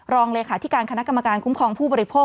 รองเลขาธิการคณะกรรมการคุ้มครองผู้บริโภค